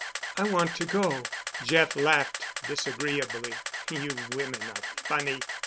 "I want to go." Jeff laughed disagreeably. "You women are funny.